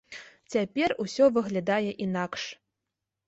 Цяпер усё выглядае інакш.